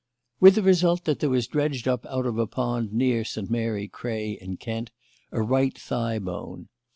"With the result that there was dredged up out of a pond near St. Mary Cray, in Kent, a right thigh bone.